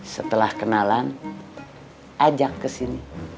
setelah kenalan ajak kesini